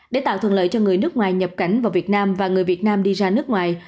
để tạo thuận lợi cho người nước ngoài nhập cảnh vào việt nam và người việt nam đi ra nước ngoài